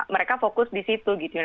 mereka fokus di situ gitu